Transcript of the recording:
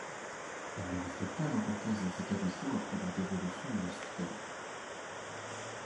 Elle ne reflète pas l'importance des établissements après leur dévolution aux Hospitaliers.